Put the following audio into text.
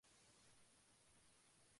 No realizó estudios universitarios.